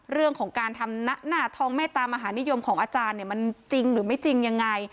เรื่องของการทำหน้าทองเมตตามหานิยมของอาจารย์เนี่ยมันจริงหรือไม่จริงยังไง